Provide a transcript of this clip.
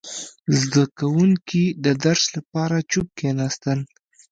• زده کوونکي د درس لپاره چوپ کښېناستل.